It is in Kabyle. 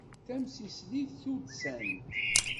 Tamsislit tuddsant.